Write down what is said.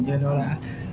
như đó là